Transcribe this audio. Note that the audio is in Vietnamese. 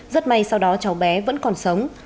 rất may sau đó cháu bé vẫn còn sống